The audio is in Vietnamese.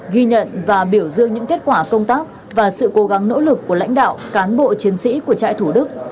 ghi nhận và biểu dương những kết quả công tác và sự cố gắng nỗ lực của lãnh đạo cán bộ chiến sĩ của trại thủ đức